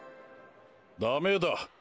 ダメだ。